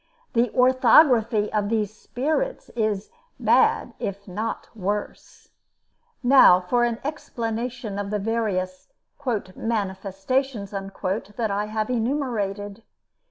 The orthography of these "spirits" is "bad if not worse." Now for an explanation of the various "manifestations" that I have enumerated.